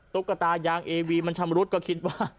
ตุ๊กตายางเอวีมันชำรุดก็คิดว่า